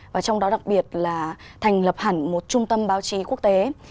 và trong đó đặc biệt là thành lập hẳn một trung tâm báo chí quốc tế